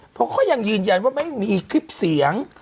เพราะเขายังยืนยันว่าไม่มีคลิปเสียง